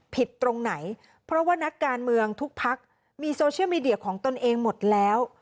ตรงไหนเพราะว่านักการเมืองทุกพักมีโซเชียลมีเดียของตนเองหมดแล้ว